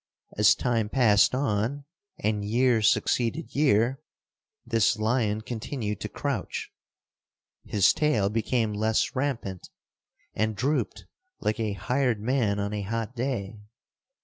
As time passed on and year succeeded year, this lion continued to crouch. His tail became less rampant and drooped like a hired man on a hot day.